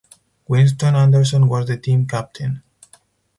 Winston Anderson was the team captain.